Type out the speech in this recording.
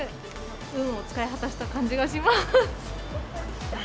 運を使い果たした感じがします。